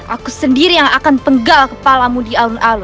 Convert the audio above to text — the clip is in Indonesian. aku sendiri yang akan penggal kepalamu di alun alun